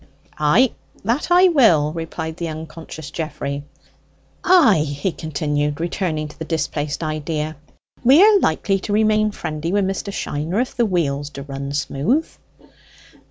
"Ay, that I will," replied the unconscious Geoffrey. "Ay," he continued, returning to the displaced idea, "we are likely to remain friendly wi' Mr. Shiner if the wheels d'run smooth."